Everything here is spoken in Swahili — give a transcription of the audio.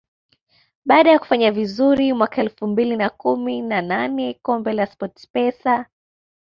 Baada ya kufanya vizuri mwaka elfu mbili na kumi na nane kombe la SportPesa